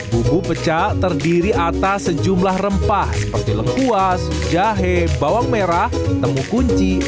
bubu pecah terdiri atas sejumlah rempah seperti lengkuas jahe bawang merah temukunji dan kacang